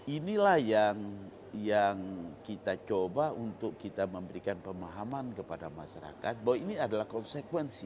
inilah yang kita coba untuk kita memberikan pemahaman kepada masyarakat bahwa ini adalah konsekuensi